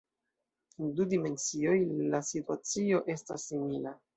En du dimensioj la situacio estas simila.